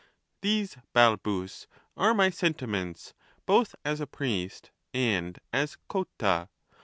These, Balbus, are my sentiments both as a priest and as Cotta.